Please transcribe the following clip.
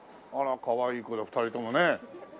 あらかわいい子だ２人ともね。